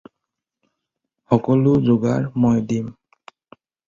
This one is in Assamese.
সকলো যোগাৰ মই দিম।